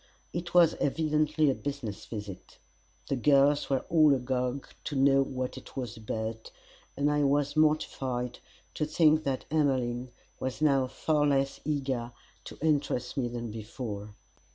It was evidently a business visit. The girls were all agog to know what it was about, and I was mortified to think that Emmeline was now far less eager to interest me than before.